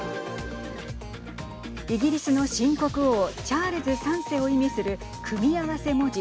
イギリスの新国王チャールズ３世を意味する組み合わせ文字